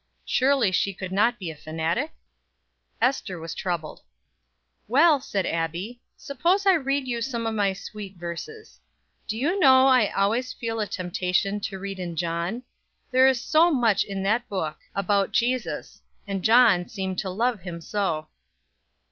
Surely, she could not be a fanatic? Ester was troubled. "Well," said Abbie, "suppose I read you some of my sweet verses. Do you know I always feel a temptation to read in John? There is so much in that book about Jesus, and John seemed to love him so."